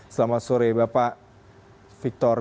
selamat sore bapak victor